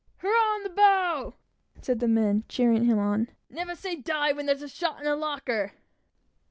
"Hurrah in the bow!" said the men, cheering him on. "Well crowed!" "Never say die, while there's a shot in the locker!"